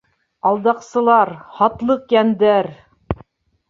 — Алдаҡсылар! һатлыҡ йәндәр!